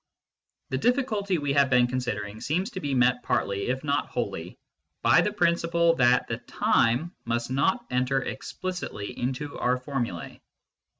The difficulty we have been considering seems to be met partly, if not wholly, by the principle that the time must not enter explicitly into our formulae.